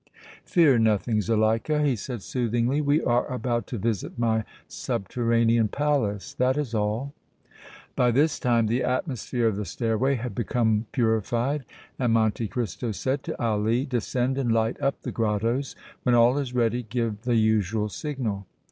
"Fear nothing, Zuleika," he said, soothingly. "We are about to visit my subterranean palace. That is all." By this time the atmosphere of the stairway had become purified and Monte Cristo said to Ali: "Descend and light up the grottoes. When all is ready give the usual signal."